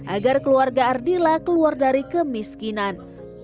agar keluarga ardila keluar dari kemiskinan